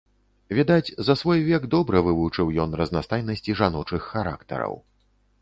Відаць, за свой век добра вывучыў ён разнастайнасці жаночых характараў.